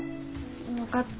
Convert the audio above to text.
分かった。